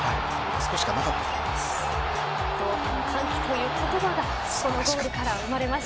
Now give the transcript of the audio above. そこしかなかったと思います。